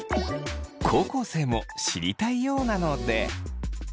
高校生も知りたいようなので。